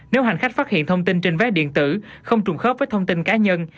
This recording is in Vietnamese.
nếu hành khách phát hiện thông tin trên vé điện tử không trùng khớp với thông tin cá nhân